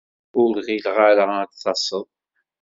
Ur ɣileɣ ara ad d-taseḍ.